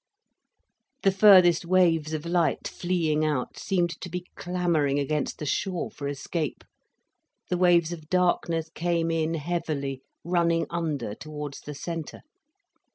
The furthest waves of light, fleeing out, seemed to be clamouring against the shore for escape, the waves of darkness came in heavily, running under towards the centre.